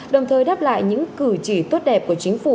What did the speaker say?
đồng thời đáp lại những cử chỉ tốt đẹp của chính phủ